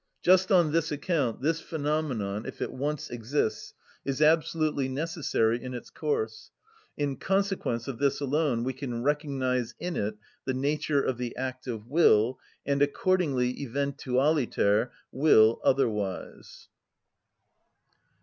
Just on this account this phenomenon, if it once exists, is absolutely necessary in its course; in consequence of this alone we can recognise in it the nature of the act of will, and accordingly eventualiter will otherwise.